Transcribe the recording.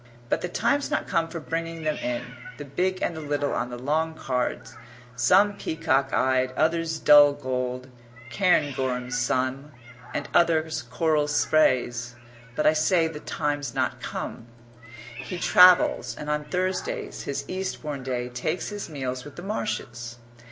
but the time's not come for bringing them in the big and the little on the long cards, some peacock eyed, others dull gold; cairngorms some, and others coral sprays but I say the time's not come. He travels, and on Thursdays, his Eastbourne day, takes his meals with the Marshes.